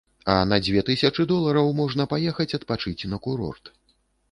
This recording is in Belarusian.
А на дзве тысячы долараў можна паехаць адпачыць на курорт.